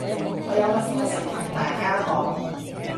我有個消息同大家講